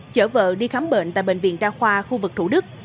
chở vợ đi khám bệnh tại bệnh viện đa khoa khu vực thủ đức